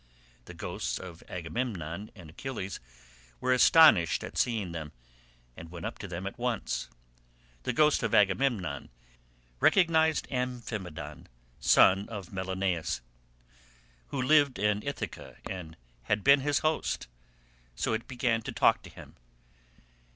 The ghosts of Agamemnon and Achilles were astonished at seeing them, and went up to them at once. The ghost of Agamemnon recognised Amphimedon son of Melaneus, who lived in Ithaca and had been his host, so it began to talk to him.